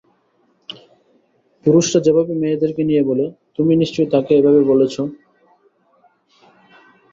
পুরুষরা যেভাবে মেয়েদেরকে নিয়ে বলে তুমিও নিশ্চয়ই তাকে এভাবেই বলেছো।